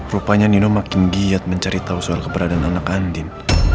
rupanya nino makin giat mencari tahu soal keberadaan anak andin